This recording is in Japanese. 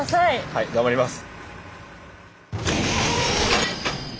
はい頑張ります！